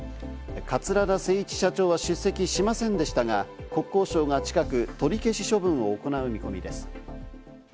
桂田精一社長は出席しませんでしたが、国交省が近く取り消し処分を行う見込みです。